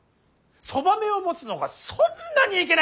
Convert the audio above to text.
そばめを持つのがそんなにいけないことか！